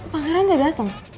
pangeran udah dateng